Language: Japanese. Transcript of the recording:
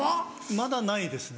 まだないですね。